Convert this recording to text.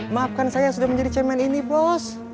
maafkan saya sudah menjadi cemen ini bos